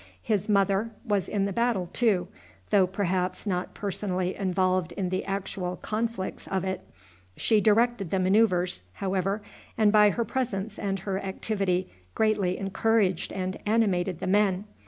His mother was in the battle too, though, perhaps, not personally involved in the actual conflicts of it. She directed the manoeuvres, however, and by her presence and her activity greatly encouraged and animated the men.